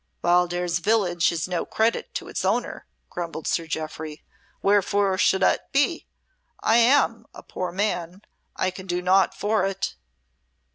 "Wildairs village is no credit to its owner," grumbled Sir Jeoffry. "Wherefore should it be? I am a poor man I can do naught for it."